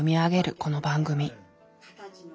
この番組。